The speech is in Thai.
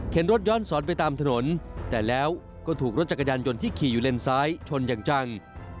รถย้อนสอนไปตามถนนแต่แล้วก็ถูกรถจักรยานยนต์ที่ขี่อยู่เลนซ้ายชนอย่างจัง